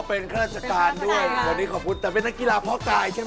เป็นข้าราชการด้วยวันนี้ขอบคุณแต่เป็นนักกีฬาพ่อกายใช่ไหม